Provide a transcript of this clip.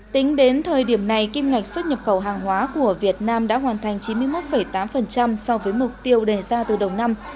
tính đến thời điểm này kim ngạch xuất nhập khẩu hàng hóa của việt nam đã hoàn thành chín mươi một tám so với mục tiêu đề ra từ đầu năm